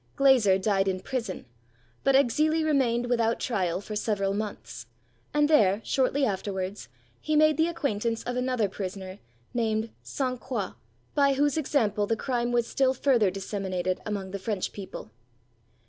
Glaser died in prison, but Exili remained without trial for several months; and there, shortly afterwards, he made the acquaintance of another prisoner, named Sainte Croix, by whose example the crime was still further disseminated among the French people.